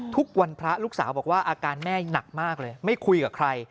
ทุกวันพระลูกสาวบอกว่าอาการแม่หนักมากเลยไม่คุยกับใคร